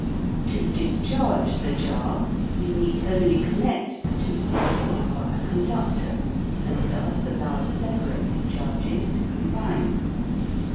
To discharge the jar we need only connect the two foils by a conductor, and thus allow the separated charges to combine.